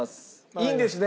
いいんですね？